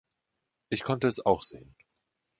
Ich konnte es auch sehen.